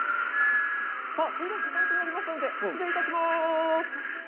それでは時間となりましたので、失礼いたします。